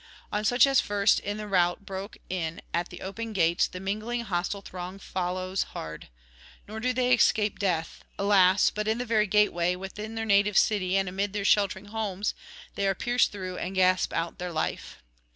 On such as first in the rout broke in at the open gates the mingling hostile throng follows hard; nor do they escape death, alas! but in the very gateway, within their native city and amid their sheltering homes, they are pierced through and gasp out their life.